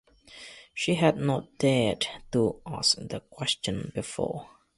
She had not dared to ask the question before.